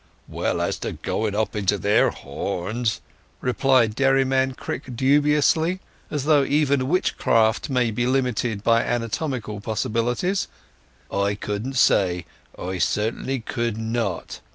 "Well, as to going up into their horns," replied Dairyman Crick dubiously, as though even witchcraft might be limited by anatomical possibilities, "I couldn't say; I certainly could not.